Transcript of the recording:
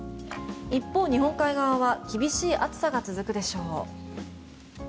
一方、日本海側は厳しい暑さが続くでしょう。